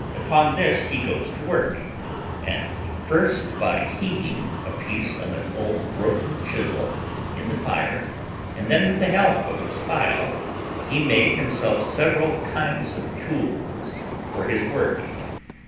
Upon this he goes to work, and first by heating a piece of an old broken chisel in the fire, and then with the help of his file, he made himself several kinds of tools for his work.